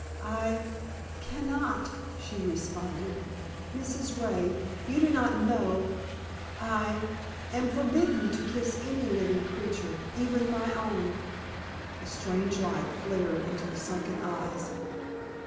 "I can not," she responded. "Mrs. Ray, you do not know I am forbidden to kiss any living creature, even my own." A strange light flared into the sunken eyes.